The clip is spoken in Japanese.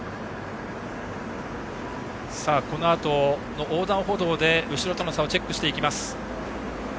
このあとの横断歩道で後ろとの差をチェックします。